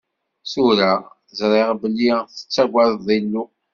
Tura, ẓriɣ belli tettagadeḍ Illu.